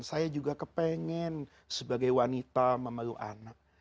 saya juga kepengen sebagai wanita memeluk anak